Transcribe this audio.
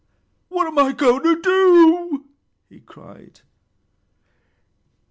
"What am I going to do?" he cried.